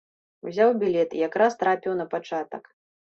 Узяў білет і якраз трапіў на пачатак.